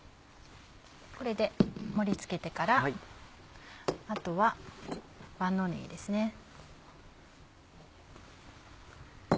これで盛り付けてからあとは万能ねぎですね。